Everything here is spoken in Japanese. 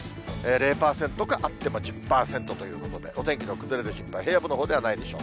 ０％か、あっても１０％ということで、お天気の崩れる心配、平野部のほうではないでしょう。